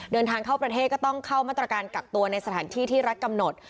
เดินทางเข้าประเทศก็ต้องเข้ามาตรการกักตัวในสถานที่ที่รัฐกำหนด